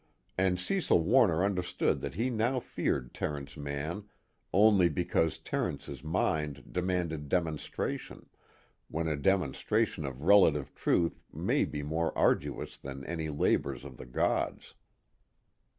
And Cecil Warner understood that he now feared Terence Mann only because Terence's mind demanded demonstration, when a demonstration of relative truth may be more arduous than any labors of the gods.